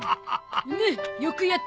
うむよくやった。